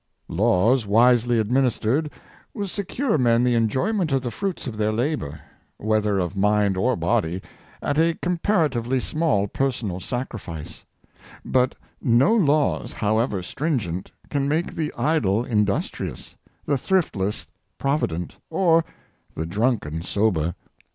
Laws, wisely adminis tered, will secure men in the enjoyment of the fruits of their labor, whether of mind or body, at a comparatively small personal sacrifice; but no laws, however stringent, can make the idle industrious, the thriftless provident, or the drunken sober.